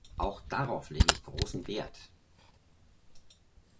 Auch darauf lege ich großen Wert.